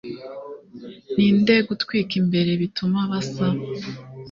Ninde gutwika imbere bituma basa